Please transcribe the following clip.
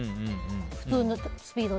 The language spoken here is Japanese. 普通のスピードで。